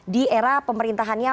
di era pemerintahannya